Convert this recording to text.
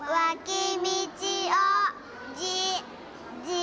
「じ」！